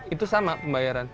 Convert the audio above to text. itu sama pembayaran